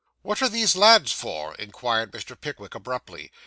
'What are these lads for?' inquired Mr. Pickwick abruptly.